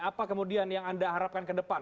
apa kemudian yang anda harapkan ke depan